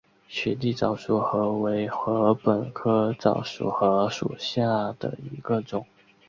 雪地早熟禾为禾本科早熟禾属下的一个种。